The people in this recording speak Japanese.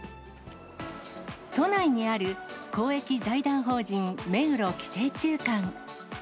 都内にある公益財団法人目黒寄生虫館。